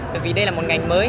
tại vì đây là một ngành mới